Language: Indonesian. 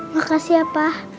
makasih ya pak